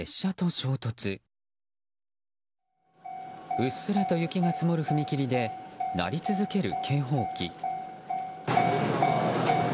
うっすらと雪が積もる踏切で鳴り続ける警報機。